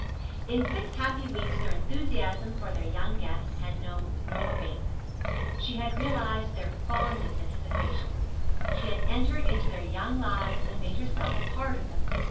In six happy weeks their enthusiasm for their young guest had known no abatement. She had realized their fondest anticipations. She had entered into their young lives and made herself a part of them.